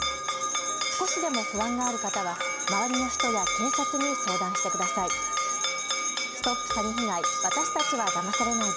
少しでも不安がある方は周りの人や警察に相談してください。